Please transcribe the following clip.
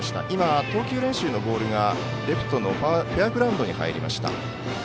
今、投球練習のボールがレフトのフェアグラウンドに入りました。